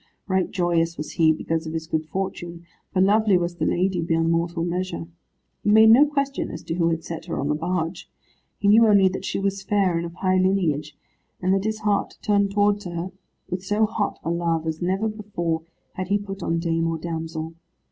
Right joyous was he because of his good fortune, for lovely was the lady beyond mortal measure. He made no question as to who had set her on the barge. He knew only that she was fair, and of high lineage, and that his heart turned towards her with so hot a love as never before had he put on dame or damsel.